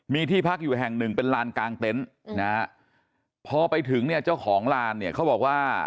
มีที่พักอยู่แห่งหนึ่งเป็นลานกลางเต็นต์นะฮะพอไปถึงเนี่ยเจ้าของลานเนี่ยเขาบอกว่า